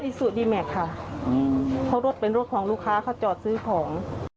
เพราะศูนย์อิสุดีแมกส์ค่ะเพราะรถเป็นรถของลูกค้าเขาจอดซื้อของ